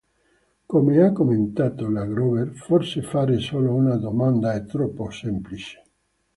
Come ha commentato la Grover, "forse fare solo una domanda è troppo semplice.